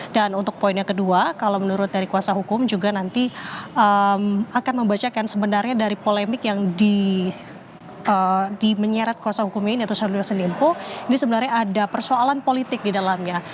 dan untuk poin yang kedua kalau menurut dari kuasa hukum juga nanti akan membacakan sebenarnya dari polemik yang dimenyarat kuasa hukum ini atau syahrul yassin limpo ini sebenarnya ada persoalan politik di dalamnya